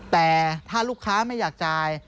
แต่ถ้าลูกค้าไม่อยากจ่าย